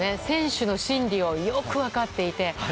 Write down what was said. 選手の心理をよく分かっていて。